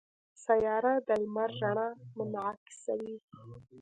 سیاره د لمر رڼا منعکسوي.